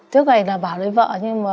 trước này là bảo lấy vợ nhưng mà